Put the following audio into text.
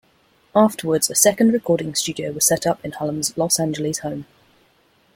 Afterwards, a second recording studio was set up in Hullum's Los Angeles home.